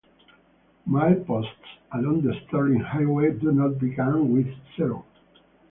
Mileposts along the Sterling Highway do not begin with zero.